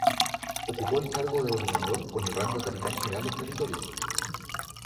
Ocupó el cargo de Gobernador con el rango de Capitán General del territorio.